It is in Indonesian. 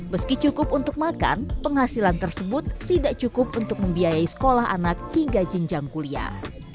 meski cukup untuk makan penghasilan tersebut tidak cukup untuk membiayai sekolah anak hingga jenjang kuliah